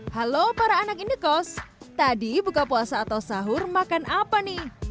halo para anak indekos tadi buka puasa atau sahur makan apa nih